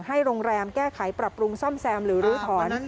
โรงแรมแก้ไขปรับปรุงซ่อมแซมหรือลื้อถอน